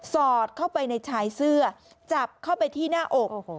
สอดเข้าไปในชายเสื้อจับเข้าไปที่หน้าอก